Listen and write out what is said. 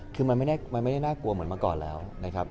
คือมันไม่ได้น่ากลัวเหมือนเมื่อก่อนแล้วนะครับ